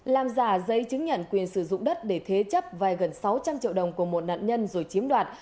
làm giả giấy chứng nhận quyền sử dụng đất để thế chấp vai gần sáu trăm linh triệu đồng của một nạn nhân rồi chiếm đoạt